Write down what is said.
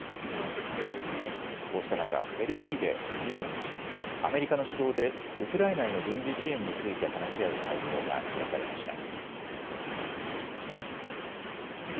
こうした中、ベルギーで１５日、アメリカの主導でウクライナへの軍事支援について話し合う会合が開かれました。